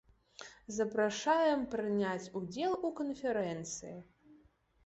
Запрашаем прыняць удзел у канферэнцыі.